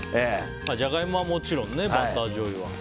ジャガイモはもちろんねバターじょうゆは。